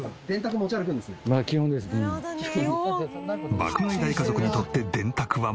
爆買い大家族にとって電卓はマスト。